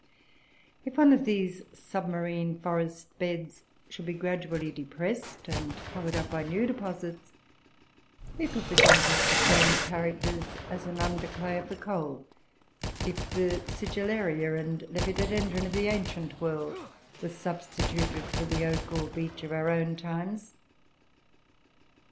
If one of these submarine forest beds should be gradually depressed and covered up by new deposits, it would present just the same characters as an under clay of the coal, if the Sigillaria and Lepidodendron of the ancient world were substituted for the oak, or the beech, of our own times.